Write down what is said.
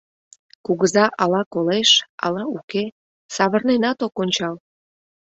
Кугыза ала колеш, ала уке, савырненат ок ончал.